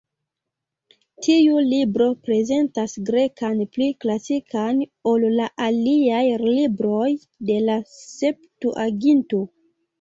Tiu libro prezentas grekan pli klasikan ol la aliaj libroj de la Septuaginto.